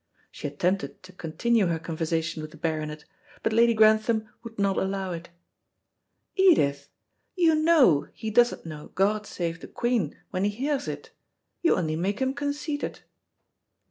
She attempted to continue her conversation with the Baronet, but Lady Grantham would not allow it. "Edith, you know he doesn't know 'God save the Queen' when he hears it. You'll only make him conceited."